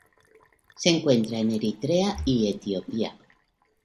Se encuentra en Eritrea y Etiopía.